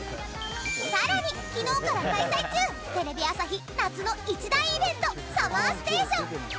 更に昨日から開催中テレビ朝日、夏の一大イベント「ＳＵＭＭＥＲＳＴＡＴＩＯＮ」。